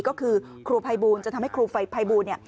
ก็คือครูภัยบูลจะทำให้ครูภัยบูล